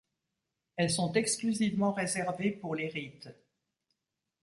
Elles sont exclusivement réservées pour les rites.